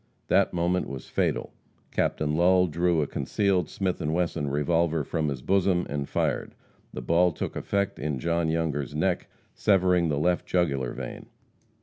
That moment was fatal. Captain Lull drew a concealed Smith & Wesson revolver from his bosom, and fired. The ball took effect in John Younger's neck, severing the left jugular vein.